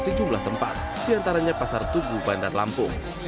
sejumlah tempat di antaranya pasar tubuh bandar lampung